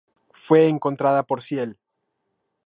Fue encontrada por Ciel.